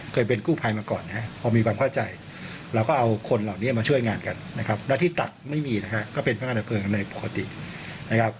เคยเป็นกู้ภัยมาก่อนนะครับพอมีความเข้าใจเราก็เอาคนเหล่านี้มาช่วยงานกันนะครับแล้วที่ตักไม่มีนะฮะก็เป็นพนักงานดับเพลิงในปกตินะครับ